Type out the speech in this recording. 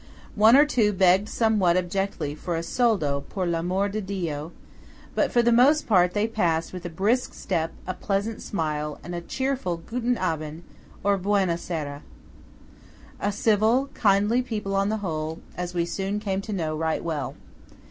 One or two begged somewhat abjectly for a soldo "per l'amor di Dio;" but for the most part they passed with a brisk step, a pleasant smile, and a cheerful "Guten Abend," or "buona sera." A civil, kindly people on the whole, as we soon came to know right well!